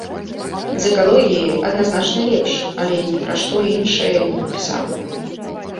З экалогіяй адназначна лепш, але ні пра што іншае не напісаў.